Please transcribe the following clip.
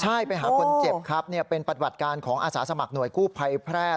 ใช่ไปหาคนเจ็บครับเป็นปฏิบัติการของอาสาสมัครหน่วยกู้ภัยแพร่